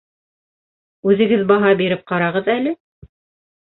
Үҙегеҙ баһа биреп ҡарағыҙ әле.